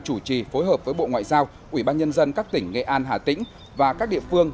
chủ trì phối hợp với bộ ngoại giao ủy ban nhân dân các tỉnh nghệ an hà tĩnh và các địa phương